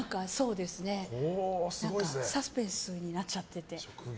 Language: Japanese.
サスペンスになっちゃってて。